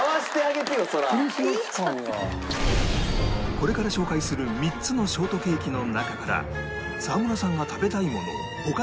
これから紹介する３つのショートケーキの中から沢村さんが食べたいものを他の４人が推理